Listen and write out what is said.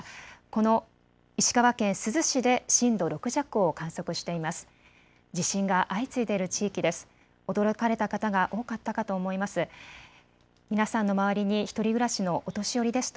この石川県珠洲市で震度６弱を観測しています。